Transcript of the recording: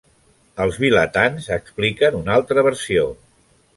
Els vilatans expliquen una altra versió.